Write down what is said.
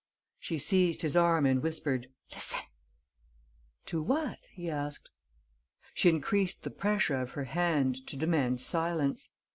She seized his arm and whispered: "Listen!" "To what?" he asked. She increased the pressure of her hand, to demand silence.